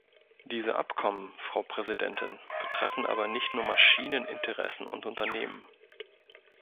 Diese Abkommen, Frau Präsidentin, betreffen aber nicht nur Maschinen, Interessen und Unternehmen.